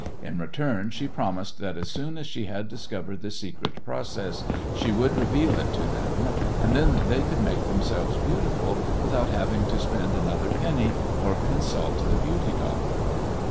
In return she promised that as soon as she had discovered the secret process she would reveal it to them, and then they could make themselves beautiful without having to spend another penny or consult the beauty doctor.